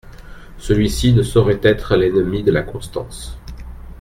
Celui-ci ne saurait être l’ennemi de la constance.